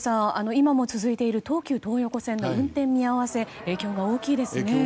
今も続いている東急東横線の運転見合わせ影響が大きいですね。